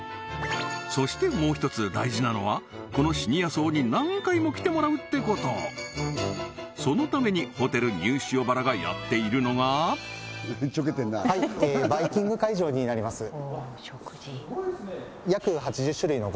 そしてもう一つ大事なのはこのシニア層に何回も来てもらうってことそのためにホテルニュー塩原がやっているのがすごいっすね！